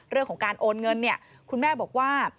เรื่องของการโอนเงินเนี่ยคุณแม่บอกว่า